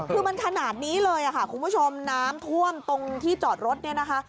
คือมันขนาดนี้เลยค่ะคุณผู้ชมน้ำท่วมตรงที่จอดรถเนี่ยนะคะ